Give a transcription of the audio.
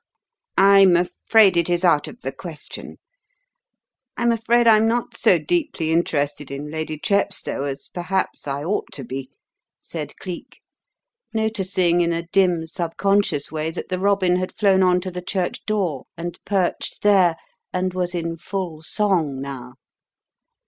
"I'm afraid it is out of the question I'm afraid I'm not so deeply interested in Lady Chepstow as, perhaps, I ought to be," said Cleek, noticing in a dim subconscious way that the robin had flown on to the church door and perched there, and was in full song now.